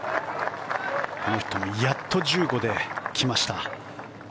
この人もやっと１５で来ました。